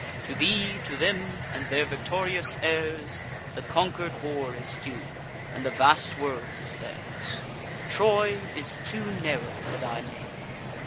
To thee, to them, and their victorious heirs, The conquer'd war is due, and the vast world is theirs. Troy is too narrow for thy name."